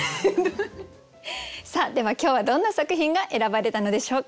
では今日はどんな作品が選ばれたのでしょうか？